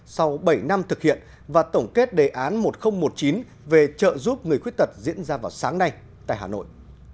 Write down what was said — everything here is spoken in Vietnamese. sau bảy năm thực hiện và tổng kết đề án một nghìn một mươi chín về trợ giúp người khuyết tật diễn ra vào sáng nay tại hà nội